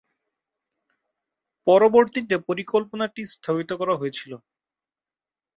পরবর্তীতে পরিকল্পনাটি স্থগিত করা হয়েছিল।